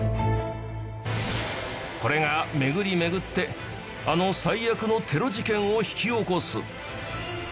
これが巡り巡ってあの最悪のテロ事件を引き起こす